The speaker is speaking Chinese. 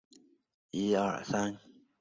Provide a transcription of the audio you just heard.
雷丰托拉是葡萄牙波尔图区的一个堂区。